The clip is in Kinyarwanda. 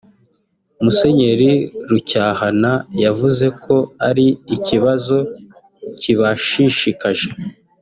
Musenyeri Rucyahana yavuze ko ari ikibazo kibashishikaje